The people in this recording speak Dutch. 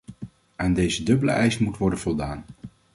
Aan deze dubbele eis moet worden voldaan.